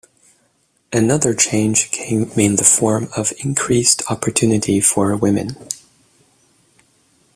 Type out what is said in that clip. Another change came in the form of increased opportunities for women.